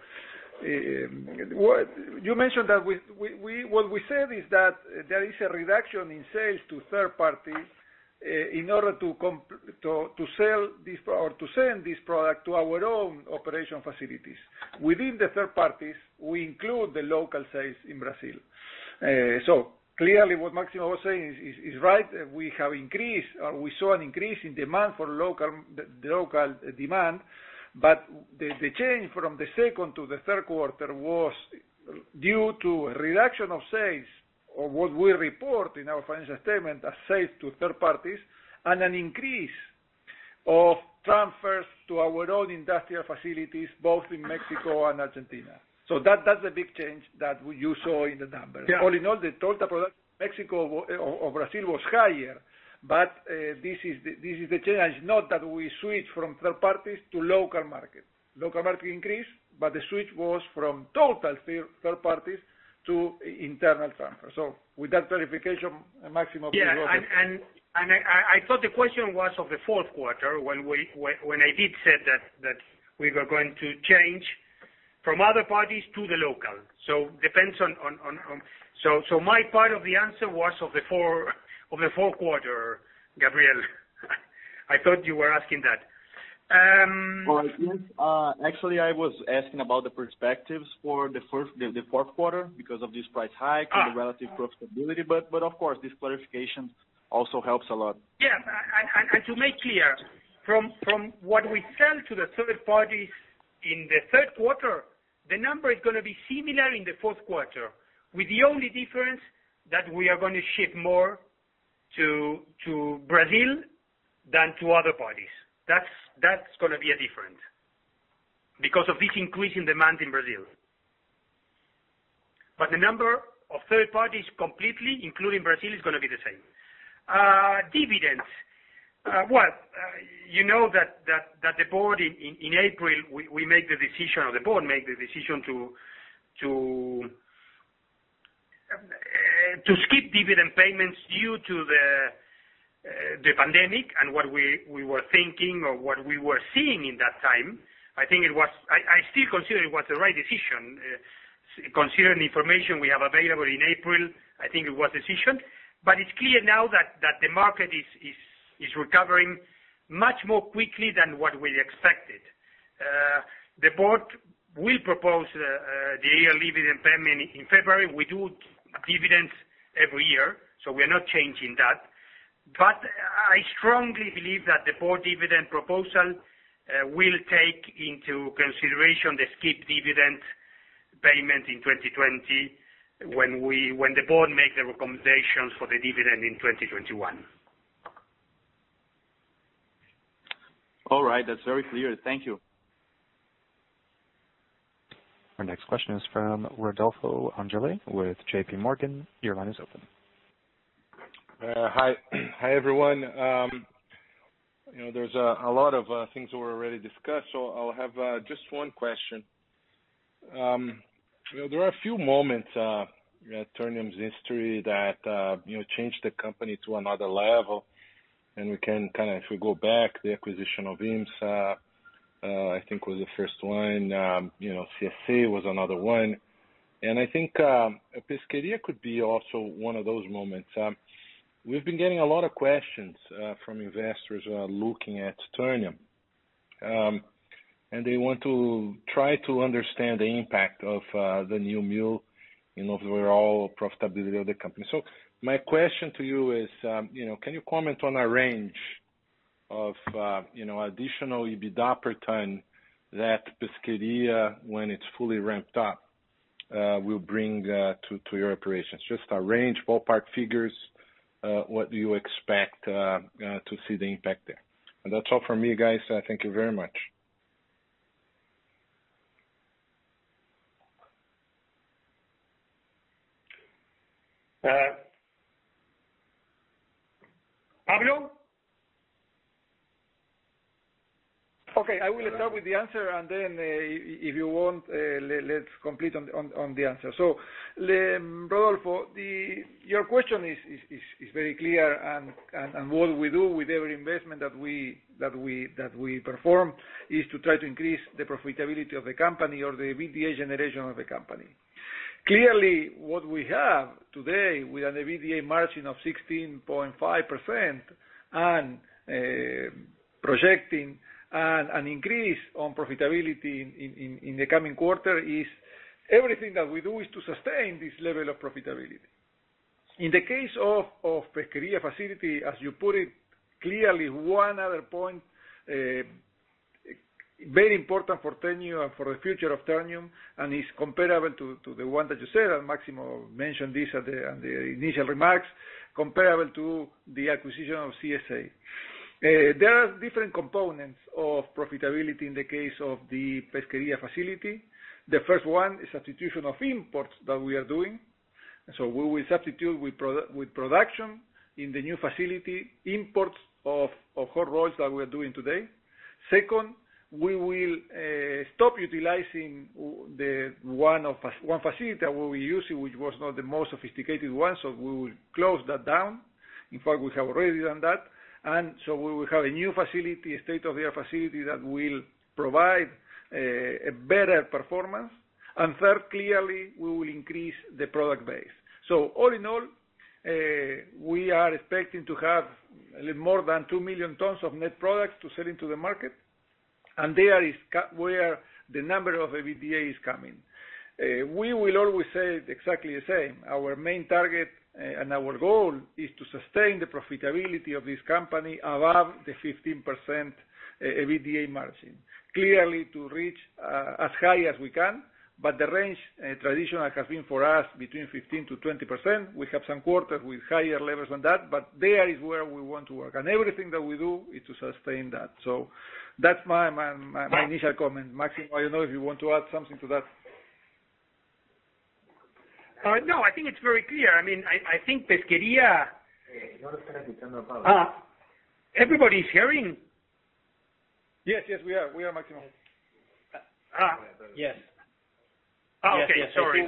Speaker 4: You mentioned that what we said is that there is a reduction in sales to third parties in order to send this product to our own operation facilities. Within the third parties, we include the local sales in Brazil. Clearly, what Máximo was saying is right. The change from the second to the third quarter was due to a reduction of sales, or what we report in our financial statement as sales to third parties, and an increase of transfers to our own industrial facilities, both in Mexico and Argentina. That's the big change that you saw in the numbers. All in all, the total production of Mexico or Brazil was higher. This is the change, not that we switched from third parties to the local market. The local market increased, but the switch was from total third parties to internal transfer. With that clarification, Máximo.
Speaker 3: Yeah, I thought the question was in the fourth quarter when I did say that we were going to change from other parties to the local. My part of the answer was in the fourth quarter, Gabriel. I thought you were asking that.
Speaker 9: Actually, I was asking about the perspectives for the fourth quarter because of this price hike and the relative profitability. Of course, this clarification also helps a lot.
Speaker 3: Yeah. To make it clear, from what we sell to the third parties in the third quarter, the number is going to be similar in the fourth quarter. The only difference is that we are going to ship more to Brazil than to other parties. That's going to be a difference because of this increase in demand in Brazil. The number of third parties, including Brazil, is going to be the same. Dividends. Well, you know that in April, we made the decision, or the board made the decision to skip dividend payments due to the pandemic and what we were thinking or what we were seeing at that time. I still consider it was the right decision, considering the information we have available in April. I think it was decided. It's clear now that the market is recovering much more quickly than we expected. The board will propose the annual dividend payment in February. We do dividends every year, so we're not changing that. I strongly believe that the board dividend proposal will take into consideration the skipped dividend payment in 2020 when the board makes the recommendations for the dividend in 2021.
Speaker 9: All right. That's very clear. Thank you.
Speaker 1: Our next question is from Rodolfo Angele with JPMorgan. Your line is open.
Speaker 10: Hi, everyone. There's a lot of things that were already discussed, so I'll have just one question. There are a few moments in Ternium's history that changed the company to another level, and we can kind of, if we go back, the acquisition of IMSA, I think, was the first one. CSA was another one, I think Pesquería could also be one of those moments. We've been getting a lot of questions from investors looking at Ternium. They want to try to understand the impact of the new mill in the overall profitability of the company. My question to you is, can you comment on a range of additional EBITDA per ton that Pesquería, when it's fully ramped up, will bring to your operations? Just a range, ballpark figures-what do you expect to see the impact there? That's all from me, guys. Thank you very much.
Speaker 3: Pablo?
Speaker 4: I will start with the answer, and then, if you want, let's complete the answer. Rodolfo, your question is very clear. What we do with every investment that we perform is to try to increase the profitability of the company or the EBITDA generation of the company. Clearly, what we have today with an EBITDA margin of 16.5% and projecting an increase in profitability in the coming quarter is that everything we do is to sustain this level of profitability. In the case of the Pesquería facility, as you put it, clearly one other point, very important for Ternium and for the future of Ternium, and is comparable to the one that you said, and Máximo mentioned this at the initial remarks, comparable to the acquisition of CSA. There are different components of profitability in the case of the Pesquería facility. The first one is substitution of imports that we are doing. We will substitute with production in the new facility, imports of hot rolls that we are doing today. Second, we will stop utilizing one facility that we were using, which was not the most sophisticated one. We will close that down. In fact, we have already done that. We will have a new facility, a state-of-the-art facility that will provide a better performance. Third, clearly, we will increase the product base. All in all, we are expecting to have more than two million tons of net products to sell into the market, and there is where the number of EBITDA is coming. We will always say exactly the same. Our main target and our goal is to sustain the profitability of this company above the 15% EBITDA margin. Clearly to reach as high as we can, but the range traditionally has been for us between 15%-20%. We have some quarters with higher levels than that, but there is where we want to work. Everything that we do is to sustain that. That's my initial comment. Máximo, I don't know if you want to add something to that.
Speaker 3: No, I think it's very clear. I think Everybody's hearing?
Speaker 4: Yes, yes, we are, Máximo.
Speaker 2: Yes.
Speaker 3: Okay, sorry.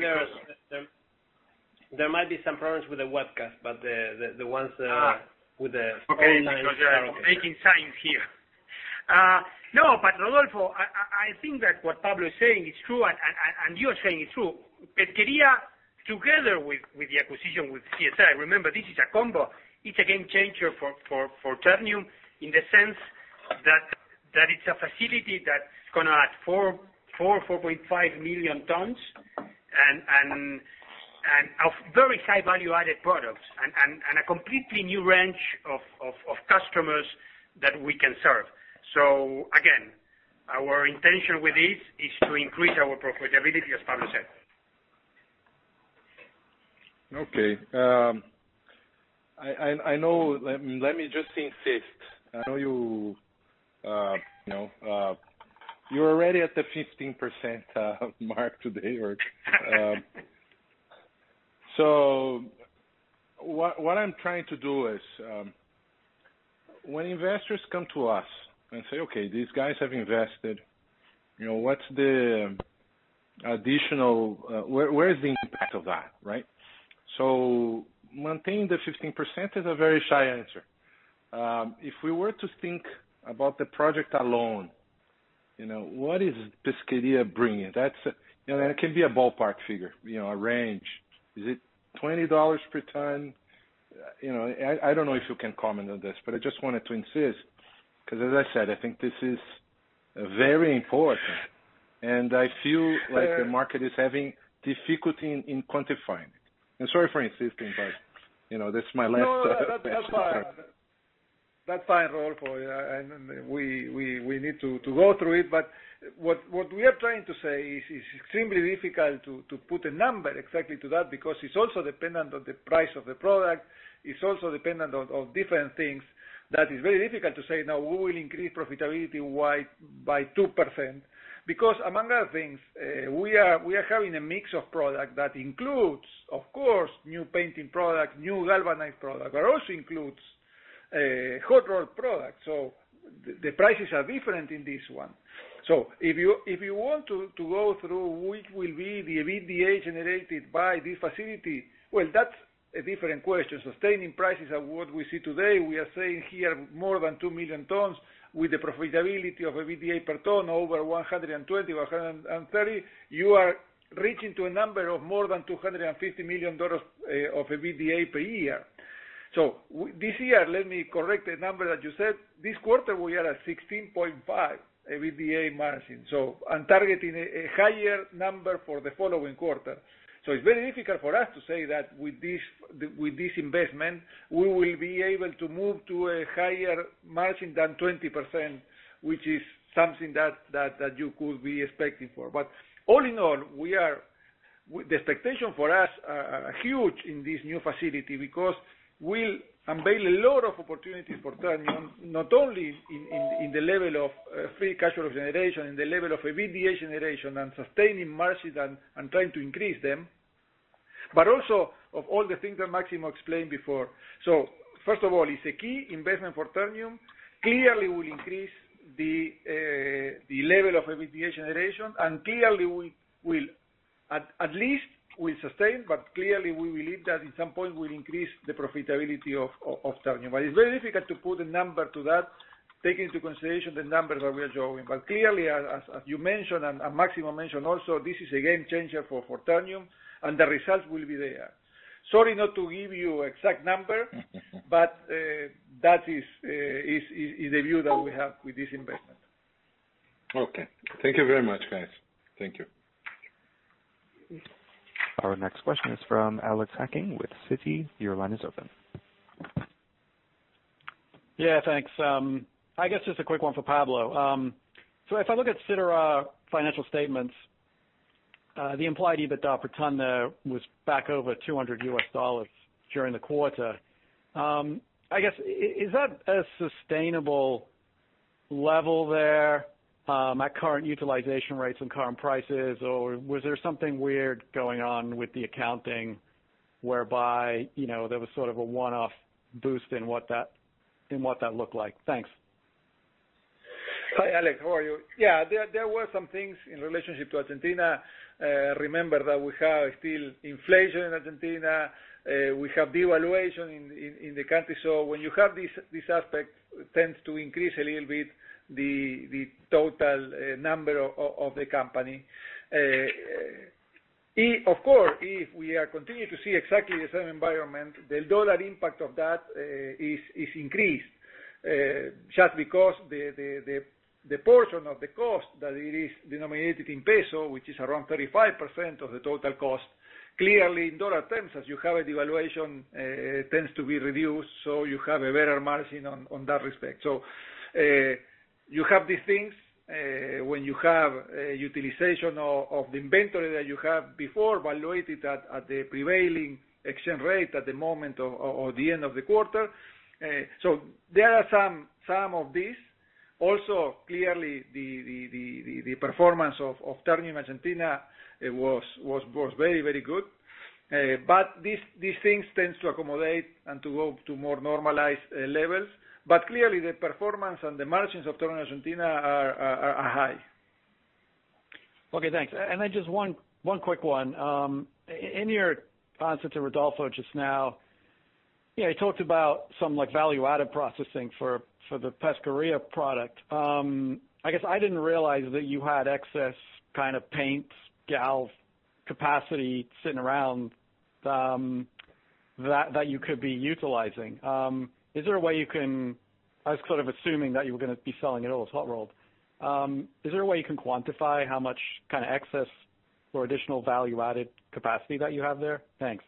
Speaker 2: There might be some problems with the webcast, but the ones with the phone lines are okay.
Speaker 3: Okay, because they are making signs here. Rodolfo, I think that what Pablo is saying is true, and what you are saying is true. Pesquería, together with the acquisition of CSA, remember, this is a combo. It's a game changer for Ternium in the sense that it's a facility that's going to add 4.5 million tons of very high-value-added products and a completely new range of customers that we can serve. Again, our intention with this is to increase our profitability, as Pablo said.
Speaker 10: Okay. Let me just insist. You're already at the 15% mark today. What I'm trying to do is, when investors come to us and say, "Okay, these guys have invested. Where is the impact of that?" Right? Maintaining the 15% is a very shy answer. If we were to think about the project alone, what is Pesquería bringing? It can be a ballpark figure, a range. Is it $20 per ton? I don't know if you can comment on this, but I just wanted to insist, because as I said, I think this is very important, and I feel like the market is having difficulty in quantifying. I'm sorry for insisting.
Speaker 4: No, that's fine. That's fine, Rodolfo. We need to go through it. What we are trying to say is extremely difficult to put a number on exactly, because it's also dependent on the price of the product. It's also dependent on different things. That is very difficult to say, "No, we will increase profitability by 2%." Among other things, we are having a mix of products that includes, of course, new painting products, new galvanized products, but also includes hot-rolled products. The prices are different in this one. If you want to go through which will be the EBITDA generated by this facility, well, that's a different question. Sustaining prices at what we see today, we are saying here more than 2 million tons with the profitability of EBITDA per ton, over $120-$130. You are reaching a number of more than $250 million of EBITDA per year. This year, let me correct the number that you said. This quarter, we are at 16.5% EBITDA margin. Targeting a higher number for the following quarter. It's very difficult for us to say that with this investment, we will be able to move to a higher margin than 20%, which is something that you could be expecting. All in all, the expectations for us are huge in this new facility because we'll unveil a lot of opportunities for Ternium, not only in the level of free cash flow generation, in the level of EBITDA generation, and sustaining margins and trying to increase them, but also of all the things that Máximo explained before. First of all, it's a key investment for Ternium. Clearly, we'll increase the level of EBITDA generation, and clearly, at least we'll sustain, but clearly, we believe that at some point we'll increase the profitability of Ternium. It's very difficult to put a number to that, taking into consideration the numbers that we are showing. Clearly, as you mentioned, and Máximo mentioned also, this is a game-changer for Ternium, and the results will be there. Sorry not able to give you an exact number. That is the view that we have with this investment.
Speaker 10: Okay. Thank you very much, guys. Thank you.
Speaker 1: Our next question is from Alex Hacking with Citi. Your line is open.
Speaker 11: Thanks. I guess just a quick one for Pablo. If I look at Siderar financial statements, the implied EBITDA per ton there was back over $200 during the quarter. I guess, is that a sustainable level there at current utilization rates and current prices, or was there something weird going on with the accounting whereby there was sort of a one-off boost in what that looked like? Thanks.
Speaker 4: Hi, Alex. How are you? Yeah, there were some things in relation to Argentina. Remember that we have still inflation in Argentina. We have devaluation in the country. When you have this aspect, tends to increase a little bit the total number of the company. Of course, if we are continue to see exactly the same environment, the U.S. dollar impact of that is increased, just because the portion of the cost that it is denominated in Argentine peso, which is around 35% of the total cost. Clearly, in U.S. dollar terms, as you have a devaluation, it tends to be reduced, you have a better margin in that respect. You have these things, when you have utilization of the inventory that you have before evaluated at the prevailing exchange rate at the moment or the end of the quarter. There are some of these. Clearly, the performance of Ternium Argentina was very good. These things tend to accommodate and go to more normalized levels. Clearly, the performance and the margins of Ternium Argentina are high.
Speaker 11: Okay, thanks. Then just one quick one. In your answer to Rodolfo just now, you talked about some value-added processing for the Pesquería product. I guess I didn't realize that you had excess kinds of paints, galv capacity sitting around that you could be utilizing. I was sort of assuming that you were going to be selling it all as hot-rolled. Is there a way you can quantify how much excess or additional value-added capacity that you have there? Thanks.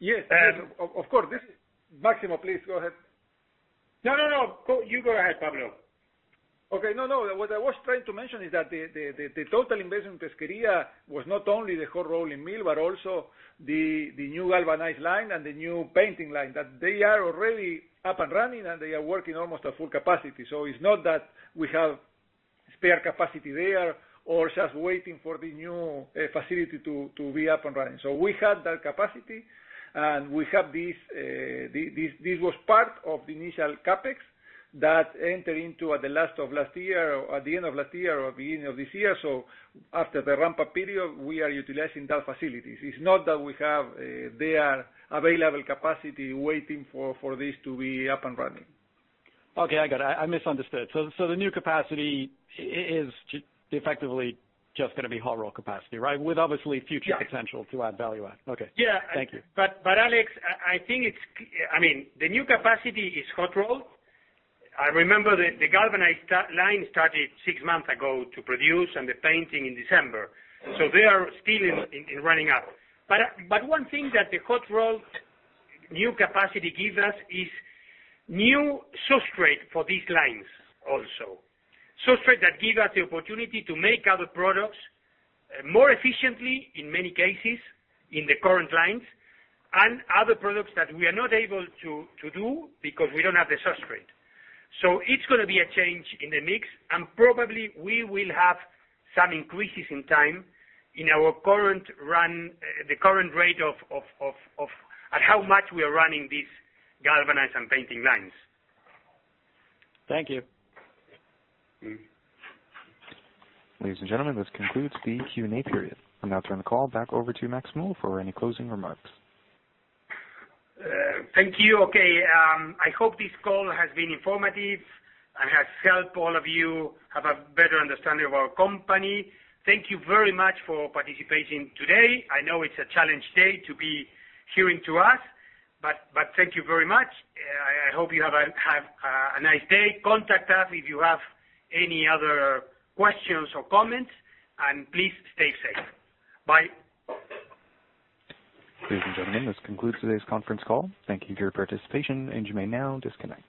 Speaker 4: Yes, of course. Máximo, please go ahead.
Speaker 3: No, you go ahead, Pablo.
Speaker 4: Okay. No, what I was trying to mention is that the total investment in Pesquería was not only the hot rolling mill, but also the new galvanized line and the new painting line, which are already up and running, and they are working almost at full capacity. It's not that we have spare capacity there or just waiting for the new facility to be up and running. We had that capacity, and this was part of the initial CapEx that we entered into at the end of last year or the beginning of this year. After the ramp-up period, we are utilizing those facilities. It's not that we have the available capacity waiting for this to be up and running.
Speaker 11: Okay, I got it. I misunderstood. The new capacity is effectively just going to be hot roll capacity, right? With obvious future potential to add value. Okay. Thank you.
Speaker 3: Yeah. Alex, I mean, the new capacity is hot roll. I remember the galvanized line started six months ago to produce, and the painting in December. They are still running up. One thing that the hot roll new capacity gives us is a new substrate for these lines also. Substrates that give us the opportunity to make other products more efficiently, in many cases, in the current lines, and other products that we are not able to make because we don't have the substrate. It's going to be a change in the mix, and probably we will have some increases in time in the current rate of how much we are running these galvanized and painting lines.
Speaker 11: Thank you.
Speaker 1: Ladies and gentlemen, this concludes the Q&A period. I'll now turn the call back over to Máximo for any closing remarks.
Speaker 3: Thank you. Okay, I hope this call has been informative and has helped all of you have a better understanding of our company. Thank you very much for participating today. I know it's a challenging day to be hearing to us, but thank you very much. I hope you have a nice day. Contact us if you have any other questions or comments, and please stay safe. Bye.
Speaker 1: Ladies and gentlemen, this concludes today's conference call. Thank you for your participation, and you may now disconnect.